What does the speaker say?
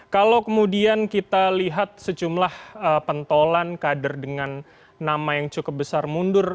kalau kemudian kita lihat sejumlah pentolan kader dengan nama yang cukup besar mundur